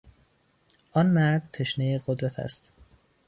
آن مرد تشنهی قدرت است.